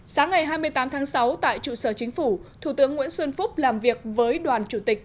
sáng ngày hai mươi tám tháng sáu tại trụ sở chính phủ thủ tướng nguyễn xuân phúc làm việc với đoàn chủ tịch